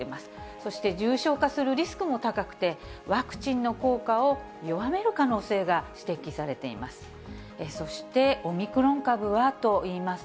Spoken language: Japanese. そして重症化するリスクも高くて、ワクチンの効果を弱める可能性が指摘されています。